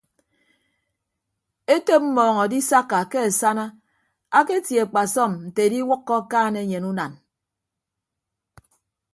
Etop mmọọñ adisakka ke asana aketie akpasọm nte ediwʌkkọ akaan enyen unan.